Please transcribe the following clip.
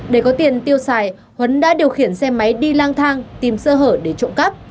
để có tiền tiêu xài huấn đã điều khiển xe máy đi lang thang tìm sơ hở để trộm cắp